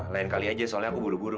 lain kali aja soalnya aku buru buru